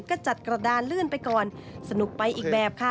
ก็จัดกระดานเลื่อนไปก่อนสนุกไปอีกแบบค่ะ